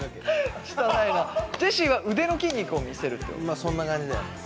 まっそんな感じだよね。